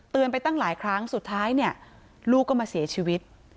เตือนไปตั้งหลายครั้งสุดท้ายลูกก็มาเสียชีวิต